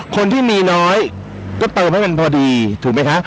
คนที่มีน้อยก็เติมให้มันพอดีถูกไหมคะ